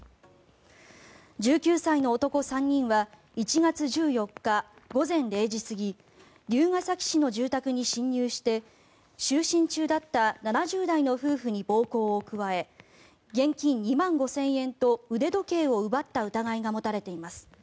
１９歳の男３人は１月１４日午前０時過ぎ龍ケ崎市の住宅に侵入して就寝中だった７０代の夫婦に暴行を加え現金２万５０００円と腕時計を奪った疑いが持たれています。